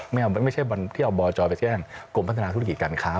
ไม่ใช่วันที่เอาบจไปแจ้งกรมพัฒนาธุรกิจการค้า